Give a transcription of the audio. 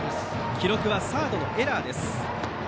記録はサードのエラー。